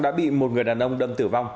đã bị một người đàn ông đâm tử vong